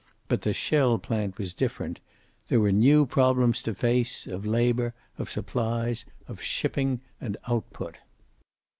But the shell plant was different. There were new problems to face, of labor, of supplies, of shipping and output.